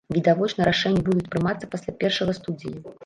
Відавочна рашэнні будуць прымацца пасля першага студзеня.